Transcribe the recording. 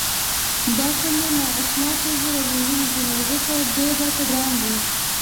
دا کومې نا اشنا ښځې رالېږلي دي نو ځکه ډېر راته ګران دي.